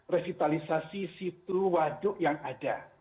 revitalisasi situ waduk yang ada